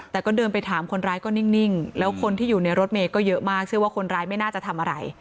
แต่ก็เดินไปถามคนร้ายก็นิ่งแล้วคนที่อยู่ในรถเมย์ก็เยอะมากเชื่อว่าคนร้ายไม่น่าจะทำอะไร